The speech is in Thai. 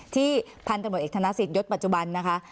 ที่พันธบทเอกทนาศิษยศยศปัจจุบันนะคะ